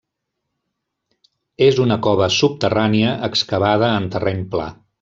És una cova subterrània excavada en terreny pla.